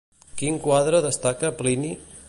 Quin quadre destaca Plini?